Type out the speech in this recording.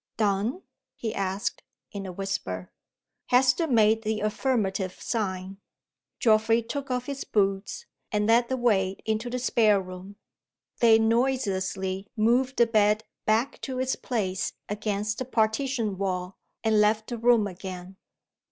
"Done?" he asked, in a whisper. Hester made the affirmative sign. Geoffrey took off his boots and led the way into the spare room. They noiselessly moved the bed back to its place against the partition wall and left the room again.